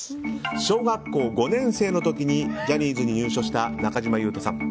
小学校５年生の時にジャニーズに入所した中島裕翔さん。